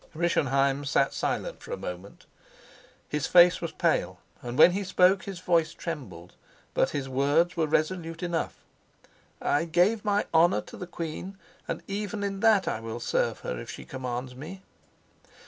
Rischenheim sat silent for a moment. His face was pale, and when he spoke his voice trembled. But his words were resolute enough. "I gave my honor to the queen, and even in that I will serve her if she commands me."